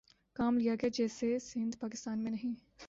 کام لیا گیا جیسے سندھ پاکستان میں نہیں